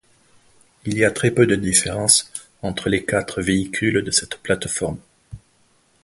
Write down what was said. Il y a très peu de différences entre les quatre véhicules de cette plateforme.